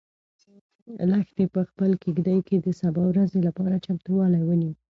لښتې په خپلې کيږدۍ کې د سبا ورځې لپاره چمتووالی ونیو.